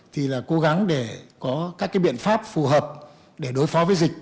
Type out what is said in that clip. thì là cố gắng để có các cái biện pháp phù hợp để đối phó với dịch